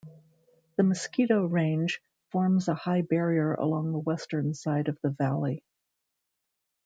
The Mosquito Range forms a high barrier along the western side of the valley.